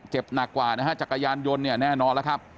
หนักกว่านะฮะจักรยานยนต์เนี่ยแน่นอนแล้วครับ